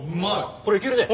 これいけるね。